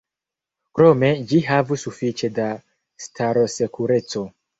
Krome ĝi havu sufiĉe da starosekureco.